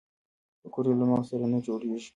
پکورې له مغز سره نه جوړېږي